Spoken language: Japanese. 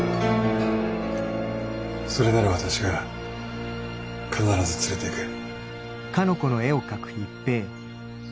それなら私が必ず連れていくよ。